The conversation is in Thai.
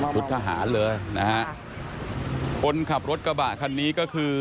ทหารเลยนะฮะคนขับรถกระบะคันนี้ก็คือ